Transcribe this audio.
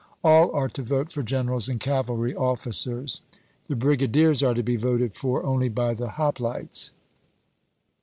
All are to vote for generals and cavalry officers. The brigadiers are to be voted for only by the hoplites.